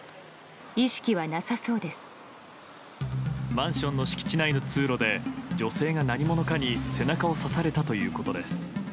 マンションの敷地内の通路で女性が何者かに背中を刺されたということです。